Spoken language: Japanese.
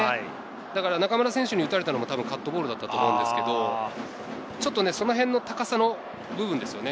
だから中村選手に打たれたのもカットボールだったと思うんですけど、そのへんの高さの部分ですね。